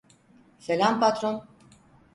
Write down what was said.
Selam patron.